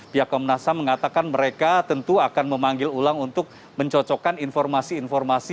pihak komnas ham mengatakan mereka tentu akan memanggil ulang untuk mencocokkan informasi informasi